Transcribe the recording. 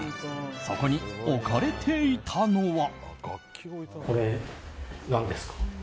そこに置かれていたのは。